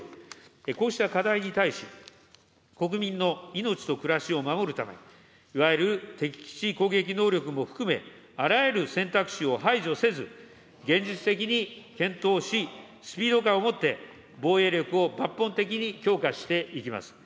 こうした課題に対し、国民の命と暮らしを守るため、いわゆる敵基地攻撃能力も含め、あらゆる選択肢を排除せず、現実的に検討し、スピード感を持って防衛力を抜本的に強化していきます。